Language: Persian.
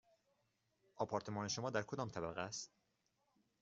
آپارتمان شما در کدام طبقه است؟